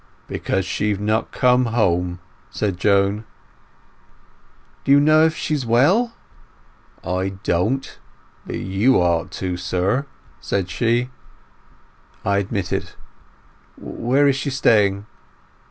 "Because she've not come home," said Joan. "Do you know if she is well?" "I don't. But you ought to, sir," said she. "I admit it. Where is she staying?"